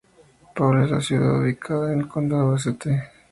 Paul es una ciudad ubicada en el condado de St.